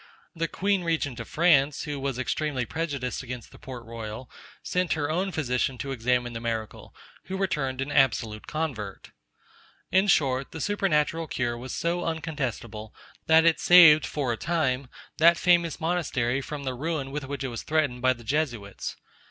The queen regent of France, who was extremely prejudiced against the Port Royal, sent her own physician to examine the miracle, who returned an absolute convert. In short, the supernatural cure was so uncontestable, that it saved, for a time, that famous monastery from the ruin with which it was threatened by the Jesuits.